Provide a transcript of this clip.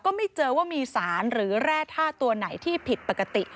ไม่เจอว่ามีสารหรือแร่ท่าตัวไหนที่ผิดปกติ